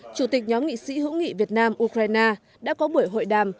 chủ tịch nhóm nghị sĩ hữu nghị việt nam ukraine đã có buổi hội đàm